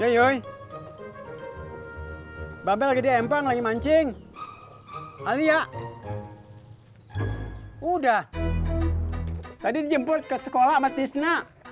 yoi yoi hai babel gede empang lagi mancing alia udah tadi dijemput ke sekolah mati snack